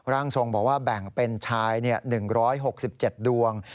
ร่างทรงบอกว่าแบ่งเป็นชาย๑๖๗ดวง